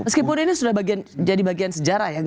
meskipun ini sudah jadi bagian sejarah ya